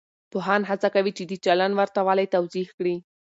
پوهان هڅه کوي چې د چلند ورته والی توضیح کړي.